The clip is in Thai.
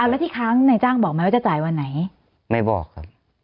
แล้วที่ค้างในจ้างบอกไหมว่าจะจ่ายวันไหนไม่บอกครับ